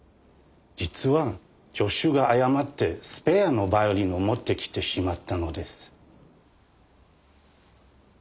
実は助手が誤ってスペアのバイオリンを持ってきてしまったのです。